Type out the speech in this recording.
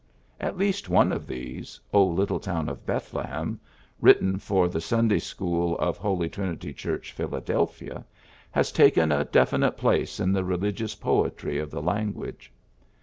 At least one of these ^^O Little Town of Bethlehem, ^^ written for the Sunday school of Holy Trinity Church, Phila delphia, has taken a definite place in the religious poetry of the language.